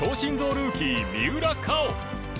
ルーキー三浦佳生